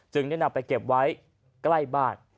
ได้นำไปเก็บไว้ใกล้บ้าน